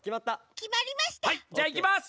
はいじゃいきます！